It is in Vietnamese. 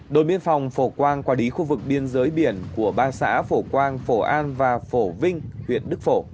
đội biên phòng phổ quang quả đí khu vực biên giới biển của ba xã phổ quang phổ an và phổ vinh huyện đức phổ